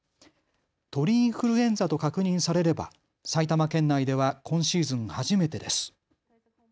鳥インフルエンザと確認されれば埼玉県内では今シーズン初めてです。